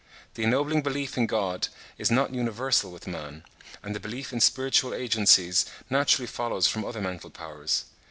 The ennobling belief in God is not universal with man; and the belief in spiritual agencies naturally follows from other mental powers.